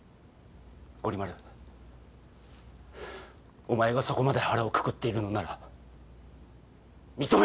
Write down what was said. ゴリ丸お前がそこまで腹をくくっているのなら認めよう。